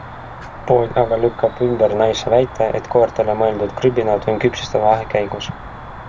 Pood aga lükkab ümber naise väite, et koertele mõeldud krõbinad on küpsiste vahekäigus.